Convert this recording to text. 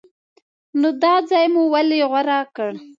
نو دا ځای مو ولې غوره کړ؟